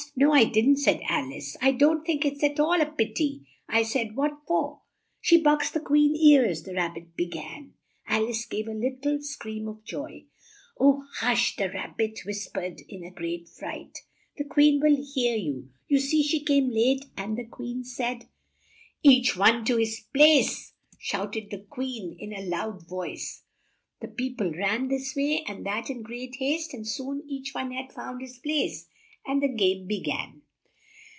"No, I didn't," said Al ice: "I don't think it's at all a pit y. I said 'What for?'" "She boxed the Queen's ears " the Rab bit be gan. Al ice gave a lit tle scream of joy. "Oh, hush!" the Rab bit whis pered in a great fright. "The Queen will hear you! You see she came late, and the Queen said " "Each one to his place!" shout ed the Queen in a loud voice, and peo ple ran this way and that in great haste and soon each one had found his place, and the game be gan.